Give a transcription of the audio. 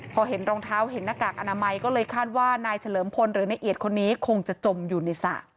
พอเห็นรองเท้าเห็นหน้ากากอนามัยก็เลยคาดว่านายเฉลิมพลหรือนายเอียดคนนี้คงจะจมอยู่ในสระ